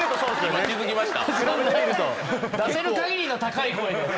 出せるかぎりの高い声で。